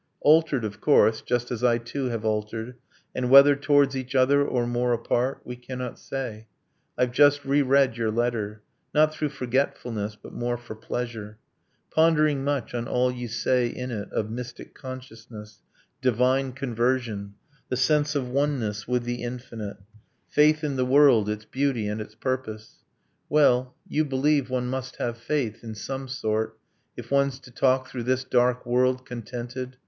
Altered, of course just as I too have altered And whether towards each other, or more apart, We cannot say ... I've just re read your letter Not through forgetfulness, but more for pleasure Pondering much on all you say in it Of mystic consciousness divine conversion The sense of oneness with the infinite, Faith in the world, its beauty, and its purpose ... Well, you believe one must have faith, in some sort, If one's to talk through this dark world contented.